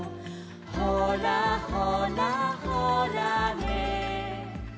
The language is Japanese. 「ほらほらほらね」